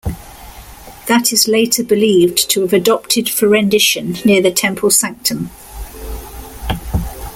That is later believed to have adopted for rendition near the temple sanctum.